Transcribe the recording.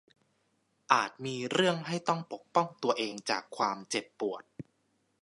อาจมีเรื่องให้ต้องปกป้องตัวเองจากความเจ็บปวด